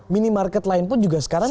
minimarket lain pun juga sekarang